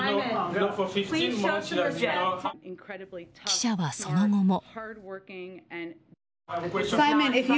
記者はその後も。